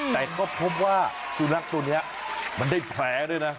แต่ก็พบว่าสุนัขตัวนี้มันได้แผลด้วยนะ